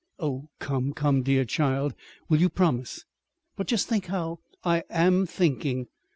"Oh, come, come, my dear child " "Will you promise?" "But just think how " "I am thinking!"